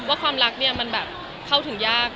ความรักเนี่ยมันแบบเข้าถึงยาก